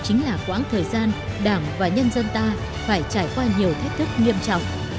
chính là quãng thời gian đảng và nhân dân ta phải trải qua nhiều thách thức nghiêm trọng